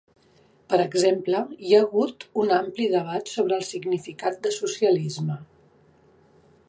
Per exemple, hi ha hagut un ampli debat sobre el significat de socialisme.